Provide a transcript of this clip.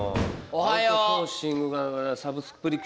おはよう！